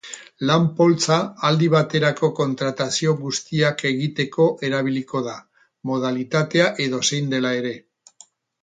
Lan-poltsa aldi baterako kontratazio guztiak egiteko erabiliko da, modalitatea edozein dela ere.